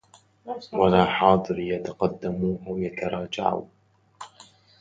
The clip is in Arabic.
ولا حاضري يتقدِّمُ أَو يتراجَعُ